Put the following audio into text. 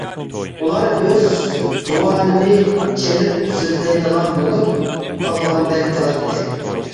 ئۇلار ئۆز زۇۋانىنى چېلىپ سۆزلەيدىغان بولۇپ قالغاندەك قىلاتتى.